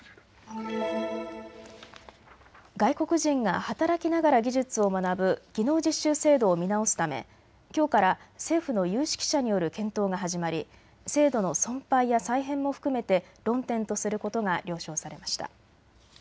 外国人が働きながら技術を学ぶ技能実習制度を見直すためきょうから政府の有識者による検討が始まり制度の存廃や再編も含めて論点とすることが了承されました。